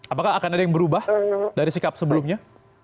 apakah akan ada yang berubah dari sikap sebelumnya